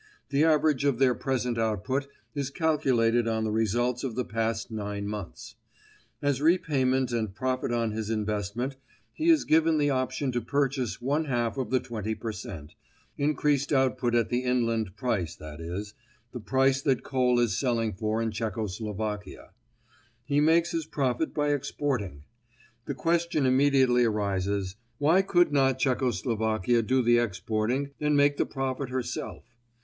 The average of their present output is calculated on the results of the past nine months. As repayment and profit on his investment, he is given the option to purchase one half of the 20 per cent, increased output at the inland price, i.e., the price that coal is selling for in Czechoslovakia. He makes his profit by exporting. The question immediately arises, why could not Czecho Slovakia do the exporting and make the profit herself?